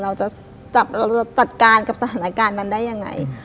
เราจะจัดการกับสถานการณ์นั้นได้ยังไง